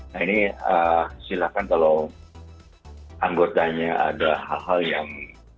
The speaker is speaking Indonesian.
nah ini silahkan kalau anggotanya ada hal hal yang